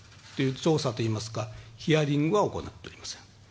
調査と言いますか、ヒアリングは行っていません。